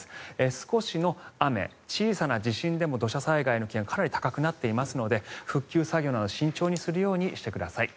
少しの雨、小さな地震でも土砂災害の危険がかなり高くなっていますので復旧作業など慎重にするようにしてください。